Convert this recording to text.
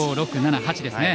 ５、６、７、８ですね。